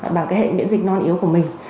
bằng hệ miễn dịch non yếu của mình